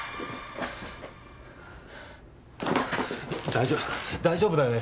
大丈夫大丈夫だよね？